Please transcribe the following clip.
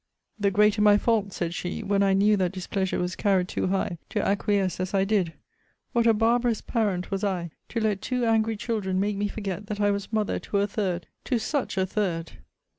The greater my fault, said she, when I knew that displeasure was carried too high, to acquiesce as I did! What a barbarous parent was I, to let two angry children make me forget that I was mother to a third to such a third!